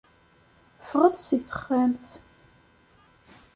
Ffɣet si texxamt.